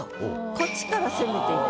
こっちから攻めていく。